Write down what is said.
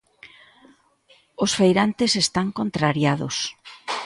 Os feirantes están contrariados.